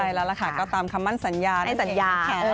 ใช่แล้วล่ะค่ะก็ตามคำมั่นสัญญานั่นเองค่ะ